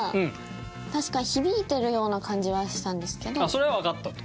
それはわかったと。